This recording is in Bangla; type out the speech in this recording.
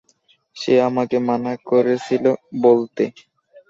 সে আমাকে মানা করেছিল বলতে।